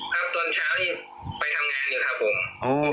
ครับตอนเช้าไปทำงานอยู่ครับผม